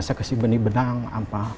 saya kasih benih benang apa